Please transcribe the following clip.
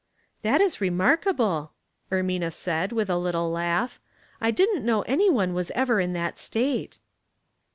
" That is remarkable," Ermina said, with a little laugh. '' I didn't know any one was ever in that state."